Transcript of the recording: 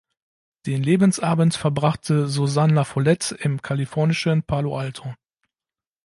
Den Lebensabend verbrachte Suzanne La Follette im kalifornischen Palo Alto.